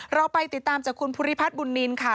เราไปติดตามจากคุณภูริพัฒน์บุญนินค่ะ